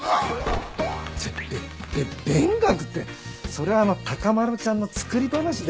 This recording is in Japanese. べべべ勉学ってそれはあの孝麿ちゃんの作り話で。